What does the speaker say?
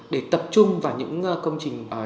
để tập trung vào những công trình